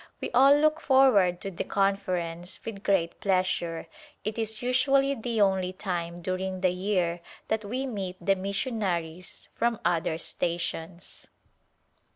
We all look forward to the Conference with great pleasure ; it is usually the only time during the year that we meet the mission aries from other stations.